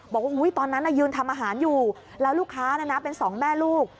บอกว่าตอนนั้นยืนทำอาหารอยู่แล้วลูกค้าเป็นสองแม่ลูก